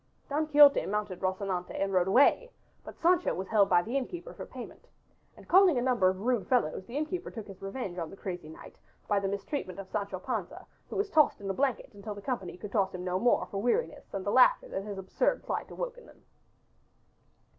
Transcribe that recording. Don Quixote mounted Rocinante and rode away, but Sancho was held by the innkeeper for payment. And calling a number of rude fellows the innkeeper took his revenge upon the crazy knight by the mistreatment of Sancho Panza who was tossed in a blanket until the company could toss him no more for weariness and the laughter that his absurd plight awoke in them.